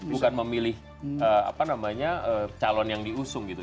bukan memilih calon yang diusung gitu